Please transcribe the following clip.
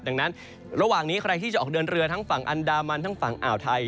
ดังนั้นระหว่างนี้ใครที่จะออกเดินเรือทั้งฝั่งอันดามันทั้งฝั่งอ่าวไทย